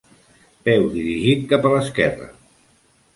Peu dirigit cap a l'esquerra.